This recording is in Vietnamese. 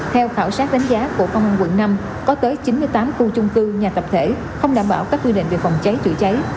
theo khảo sát đánh giá của công an quận năm có tới chín mươi tám khu chung cư nhà tập thể không đảm bảo các quy định về phòng cháy chữa cháy